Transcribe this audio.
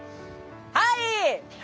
はい！